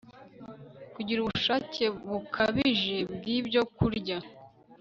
kugira ubushake bukabije bwibyo byokurya